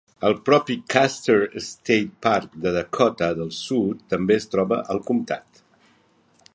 El propi Custer State Park de Dakota del Sud també es troba al comtat.